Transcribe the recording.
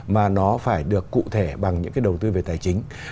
mà nó phải được cụ thể bằng những cái đầu tư về tài chính